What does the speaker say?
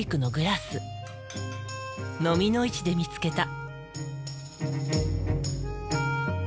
のみの市で見つけた。